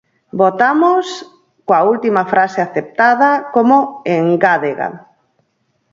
Votamos coa última frase aceptada como engádega.